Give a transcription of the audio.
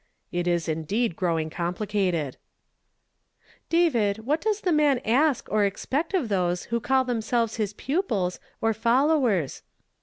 "It is indeed growing complicated !"" David, what does the man ask or expect of those who call themselves his pupils, or follow ers?"